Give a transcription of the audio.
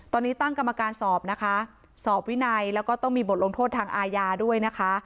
ตอนนี้ตั้งกรรมการสอบนะคะสอบวินัยแล้วก็ต้องมีบทลงโทษทางอาญาด้วยนะคะ